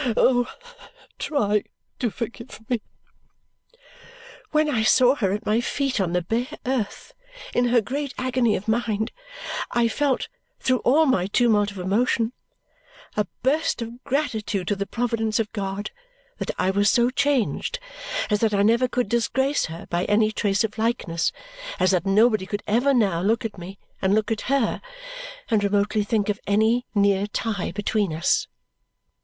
Oh, try to forgive me!" when I saw her at my feet on the bare earth in her great agony of mind, I felt, through all my tumult of emotion, a burst of gratitude to the providence of God that I was so changed as that I never could disgrace her by any trace of likeness, as that nobody could ever now look at me and look at her and remotely think of any near tie between us.